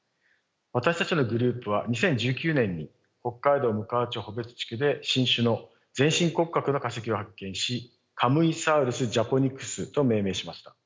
私たちのグループは２０１９年に北海道むかわ町穂別地区で新種の全身骨格の化石を発見しカムイサウルス・ジャポニクスと命名しました。